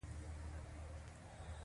خمیر باید په تاوده ځای کې کېږدئ.